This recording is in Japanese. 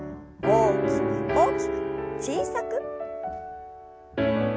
大きく大きく小さく。